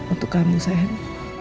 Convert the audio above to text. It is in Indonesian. untuk kamu sayang